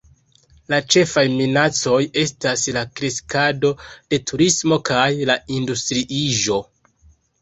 La ĉefaj minacoj estas la kreskado de turismo kaj la industriiĝo.